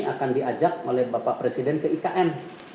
akan diajak oleh bapak presiden ke ikn